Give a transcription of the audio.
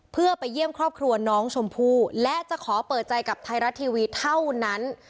เพื่อไปเยี่ยมครอบครัวน้องชมพู่และจะขอเปิดใจกับไทยรัฐทีวีเท่านั้น